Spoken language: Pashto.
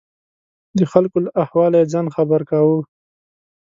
د خلکو له احواله یې ځان خبر کاوه.